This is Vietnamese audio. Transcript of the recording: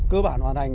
cơ bản hoàn thành